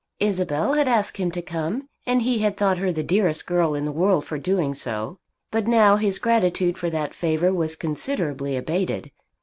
Isabel had asked him to come, and he had thought her the dearest girl in the world for doing so. But now his gratitude for that favour was considerably abated.